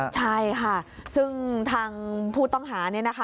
ใช่ค่ะซึ่งทางผู้ต้องหา